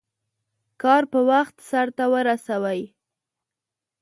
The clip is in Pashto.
کار په وخت سرته ورسوئ.